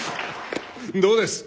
どうです？